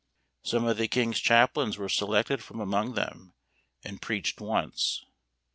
Some of the king's chaplains were selected from among them, and preached once.